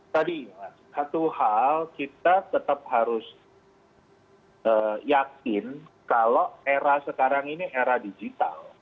tadi satu hal kita tetap harus yakin kalau era sekarang ini era digital